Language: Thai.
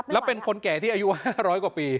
แล้วเป็นคนแก่ที่อายุ๕๐๐กว่าปี